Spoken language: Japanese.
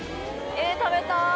ええっ食べたー